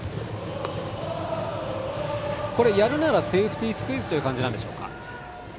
やるならセーフティースクイズという形でしょうか。